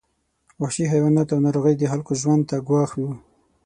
وحشي حیوانات او ناروغۍ د خلکو ژوند ته ګواښ وو.